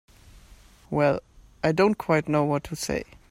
Well—I don't quite know what to say.